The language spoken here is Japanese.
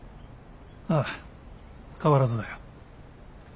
ああ変わらずだよ。